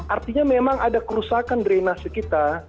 artinya memang ada kerusakan drenase kita